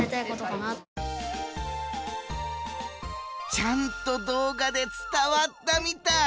ちゃんと動画で伝わったみたい！